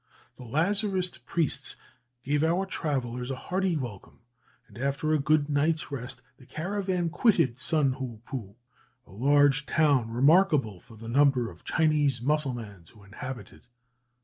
The Lazarist priests gave our travellers a hearty welcome; and after a good night's rest, the caravan quitted Suan hou pu, a large town, remarkable for the number of Chinese Mussulmans who inhabit it.